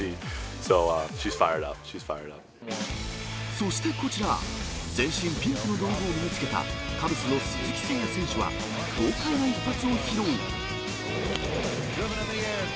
そしてこちら、全身ピンクの道具を身につけたカブスの鈴木誠也選手は、豪快な一発を披露。